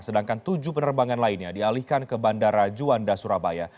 sedangkan tujuh penerbangan lainnya dialihkan ke bandara juanda surabaya